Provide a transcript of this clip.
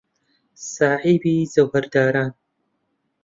ساحێبی جەوهەردارن.